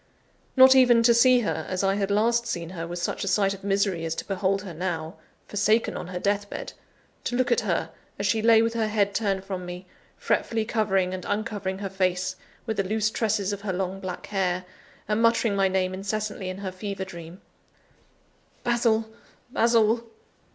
Not even to see her, as I had last seen her, was such a sight of misery as to behold her now, forsaken on her deathbed, to look at her, as she lay with her head turned from me, fretfully covering and uncovering her face with the loose tresses of her long black hair, and muttering my name incessantly in her fever dream: "Basil! Basil!